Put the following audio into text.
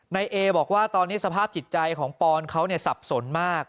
นายเอบอกว่าตอนนี้สภาพจิตใจของปอนเขาสับสนมาก